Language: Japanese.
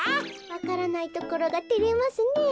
わからないところがてれますねえ。